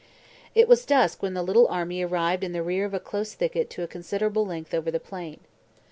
It was dusk when the little army arrived in the rear of a close thicket to a considerable length over the plain.